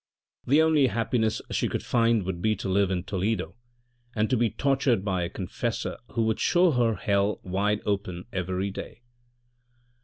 The only happiness she could find would be to live in Toledo and to be tortured by a confessor who would show her hell wide open every day."